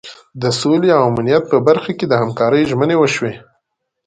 د سولې او امنیت په برخه کې د همکارۍ ژمنې وشوې.